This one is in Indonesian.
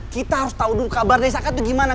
kita harus tau dulu kabar dari saka itu gimana